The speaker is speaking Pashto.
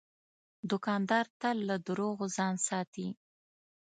دوکاندار تل له دروغو ځان ساتي.